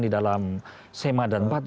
di dalam sema dan empat